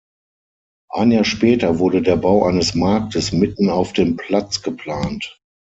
Ein Jahr später wurde der Bau eines Marktes mitten auf dem Platz geplant.